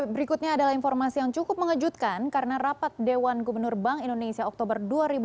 berikutnya adalah informasi yang cukup mengejutkan karena rapat dewan gubernur bank indonesia oktober dua ribu dua puluh